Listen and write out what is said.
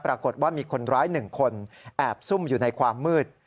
ปรากฏว่ามีคนร้าย๑คนแอบซุ่มอยู่ในความมืด